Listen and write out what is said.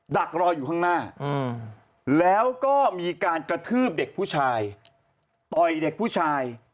ดักรออยู่ข้างหน้าแล้วก็มีการกระทืบเด็กผู้ชายต่อยเด็กผู้ชาย